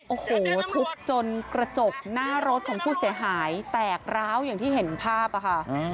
โอ้โหทุบจนกระจกหน้ารถของผู้เสียหายแตกร้าวอย่างที่เห็นภาพอะค่ะ